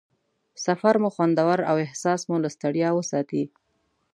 سفر مو خوندور او احساس مو له ستړیا وساتي.